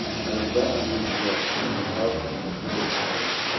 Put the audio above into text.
I was bent on doing good, and was eloquent in appealing to others.